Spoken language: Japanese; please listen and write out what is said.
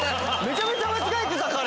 めちゃめちゃ間違えてた彼。